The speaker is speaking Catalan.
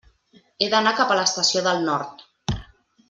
He d'anar cap a l'Estació del Nord.